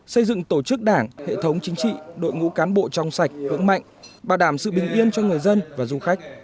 xây dựng tổ chức đảng hệ thống chính trị đội ngũ cán bộ trong sạch vững mạnh bảo đảm sự bình yên cho người dân và du khách